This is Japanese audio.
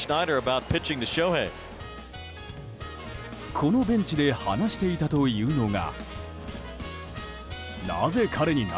このベンチで話していたというのが。